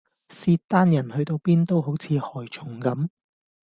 契丹人去到邊都好似害蟲咁